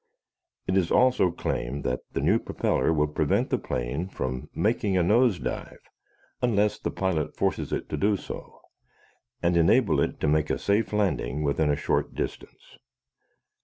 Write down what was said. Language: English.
It is also claimed that the new propeller will prevent the plane from making a nose drive unless the pilot forces it to do so, and enable it to make a safe landing within a short distance.